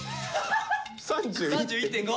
３１．５。